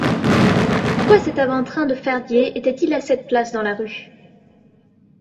Pourquoi cet avant-train de fardier était-il à cette place dans la rue?